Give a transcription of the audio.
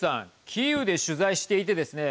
キーウで取材していてですね